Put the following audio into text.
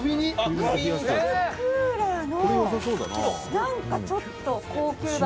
「なんかちょっと高級な」